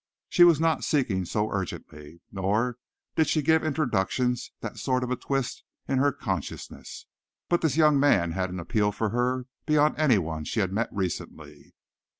She was not seeking so urgently nor did she give introductions that sort of a twist in her consciousness. But this young man had an appeal for her beyond anyone she had met recently.